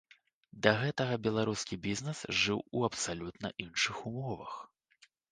Да гэтага беларускі бізнэс жыў у абсалютна іншых умовах.